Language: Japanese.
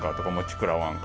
くらわんか